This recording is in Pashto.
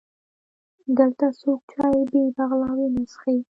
دلته څوک چای بې بغلاوې نه څښي.